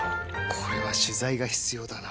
これは取材が必要だな。